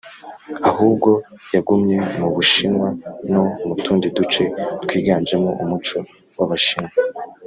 ahubwo yagumye mu bushinwa no mu tundi duce twiganjemo umuco w’abashinwa.